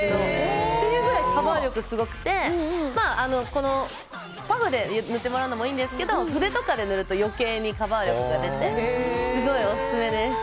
というぐらい、カバー力すごくてパフで塗ってもらうのもいいんですけど筆とかで塗ると余計にカバー力が出てすごいオススメです。